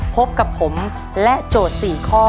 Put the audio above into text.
พบกับผมและโจทย์๔ข้อ